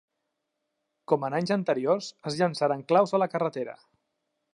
Com en anys anteriors, es llançaren claus a la carretera.